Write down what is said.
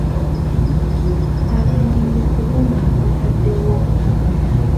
Abayimbi ku luno bataddewo okuvuganya.